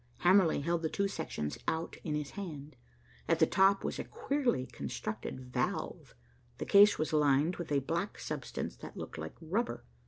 Hamerly held the two sections out on his hand. At the top was a queerly constructed valve, the case was lined with a black substance that looked like rubber.